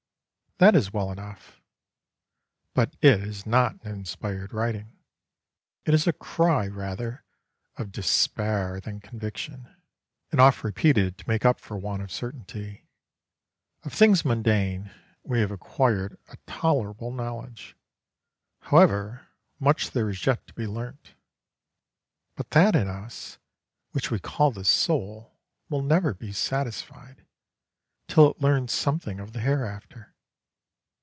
That is well enough, but it is not an inspired writing; it is a cry rather of despair than conviction, and oft repeated to make up for want of certainty. Of things mundane we have acquired a tolerable knowledge, however much there is yet to be learnt; but that in us which we call the Soul will never be satisfied till it learns something of the hereafter.